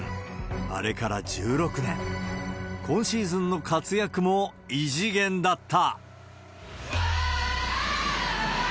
あれから１６年、今シーズンの活躍も、異次元だった。